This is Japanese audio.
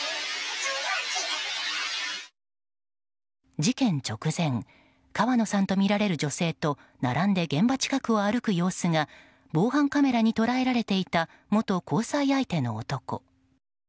事件直前川野さんとみられる女性と並んで現場近くを歩く様子が防犯カメラに捉えられていた元交際相手の男。